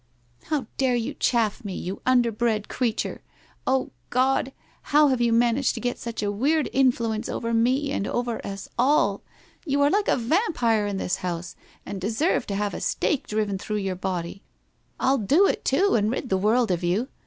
' How dare you chaff me, you underbred creature ! God ! How have you managed to get such a weird in fluence over me and over us all ! You are like a vampire in this house and deserve to have a stake driven through your body. I'll do it too and rid the world of you.